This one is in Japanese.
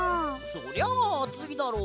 そりゃあついだろ。